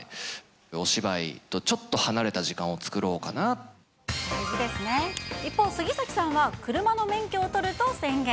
お芝居とちょっと離れた時間を作一方、杉咲さんは、車の免許を取ると宣言。